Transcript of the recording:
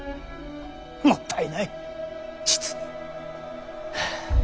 もったいない実に。